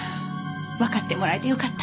わかってもらえてよかった。